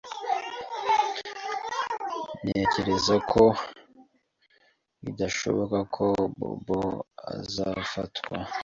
Ntekereza ko bidashoboka ko Bobo azafatwa.